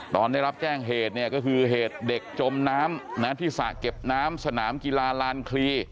ตอนได้รับแจ้งเหตุเนี่ยก็คือเหตุเด็กจมน้ำที่สระเก็บน้ำสนามกีฬาลานคลี